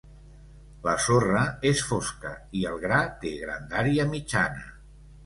La sorra és fosca i el gra té grandària mitjana.